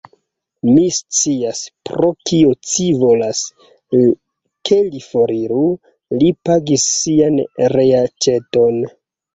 Mi scias, pro kio ci volas, ke li foriru: li pagis sian reaĉeton.